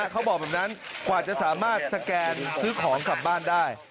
เขาบอกแบบนั้นกว่าจะสามารถสแกนซื้อของกลับบ้านได้